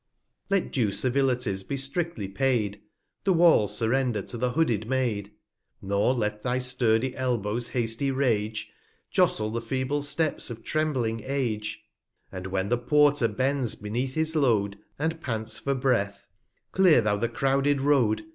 Let due Civilities be stridly paid. 45 The Wall surrender to the hooded Maid ; Nor let thy sturdy Elbow's hasty Rage r R i ~r i A i 7 Jostle the feeble Steps of trembling Age: And when the Porter bends beneath his Load, And pants for Breath ; clear thou the crouded Road.